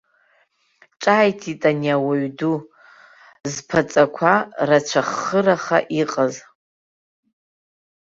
Ҿааиҭит ани ауаҩ-ау ду, зԥаҵақәа рацәаххыраха иҟаз.